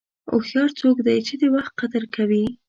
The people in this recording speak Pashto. هوښیار څوک دی چې د وخت قدر کوي.